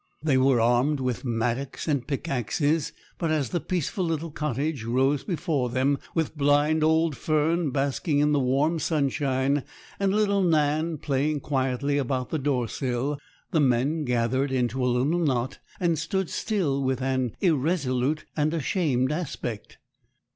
They were armed with mattocks and pickaxes; but as the peaceful little cottage rose before them, with blind old Fern basking in the warm sunshine, and little Nan playing quietly about the door sill, the men gathered into a little knot, and stood still with an irresolute and ashamed aspect.